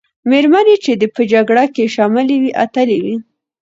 مېرمنې چې په جګړه کې شاملي وې، اتلې وې.